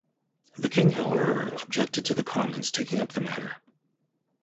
The king, however, objected to the Commons taking up the matter.